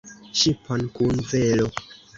ŝipon kun velo!